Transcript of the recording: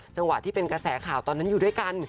จังหวะที่เป็นกระแสข่าวตอนนั้นอยู่ด้วยกัน